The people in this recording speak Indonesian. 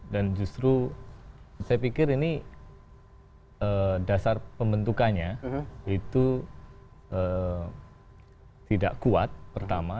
dan justru saya pikir ini dasar pembentukannya itu tidak kuat pertama